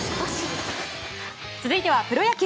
続いてはプロ野球。